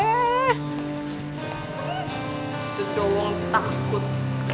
itu doang takut